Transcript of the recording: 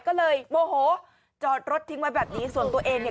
ก็เลยโมโหจอดรถทิ้งไว้แบบนี้ส่วนตัวเองเนี่ย